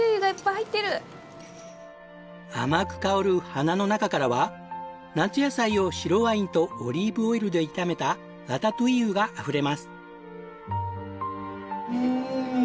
甘く香る花の中からは夏野菜を白ワインとオリーブオイルで炒めたラタトゥイユがあふれます。